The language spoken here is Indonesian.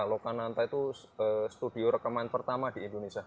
lokananta itu studio rekaman pertama di indonesia